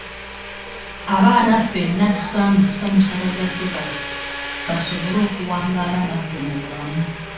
Abaana ffena tusanye okusanyusa bazadde baffe basobole okuwangala naffe mu bulamu.